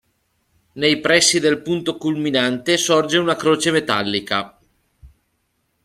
Nei pressi del punto culminante sorge una croce metallica.